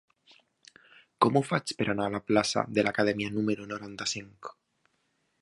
Com ho faig per anar a la plaça de l'Acadèmia número noranta-cinc?